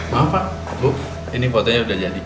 maaf pak bu ini fotonya sudah jadi